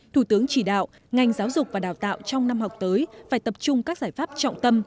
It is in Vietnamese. thủ tướng chỉ đạo ngành giáo dục và đào tạo trong năm học tới phải tập trung các giải pháp trọng tâm